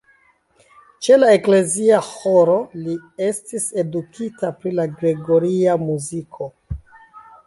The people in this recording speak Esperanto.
Ĉe la eklezia ĥoro li estis edukita pri la gregoria muziko.